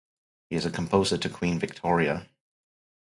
He is a composer to Queen Victoria.